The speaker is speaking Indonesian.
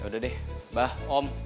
ya udah deh bah om